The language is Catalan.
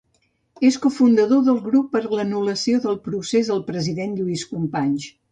És cofundador del Grup per a l'Anul·lació del Procés al President Lluís Companys.